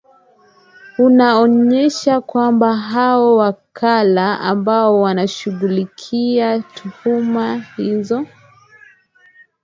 unaonesha kwamba hao wakala ambao wanashughulikia tuhma hizo